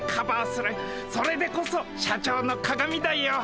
それでこそ社長の鑑だよ。